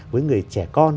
với người trẻ con